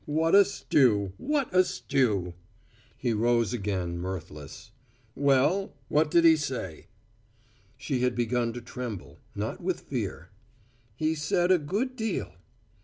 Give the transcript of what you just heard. what a stew, what a stew!" He rose again, mirthless. "Well, what did he say?" She had begun to tremble, not with fear. "He said a good deal."